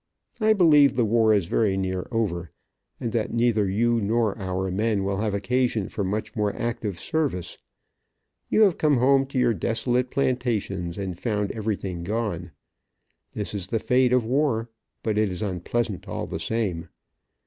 I believe the war is very near over, and that neither you nor our men will have occasion for much more active service. You have come home to your desolate plantations, and found everything gone. This is the fate of war, but it is unpleasant all the same.